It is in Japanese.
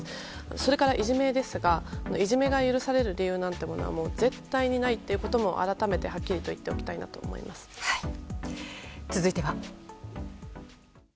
それから、いじめですがいじめが許される理由なんて絶対にないということも改めてはっきりと続いては。